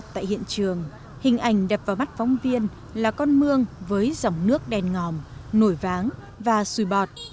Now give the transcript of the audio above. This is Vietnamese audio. tại hiện trường hình ảnh đập vào mắt phóng viên là con mương với dòng nước đen ngòm nổi váng và xùi bọt